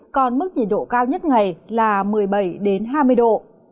còn mức nhiệt độ cao nhất ngày là một mươi bảy hai mươi độ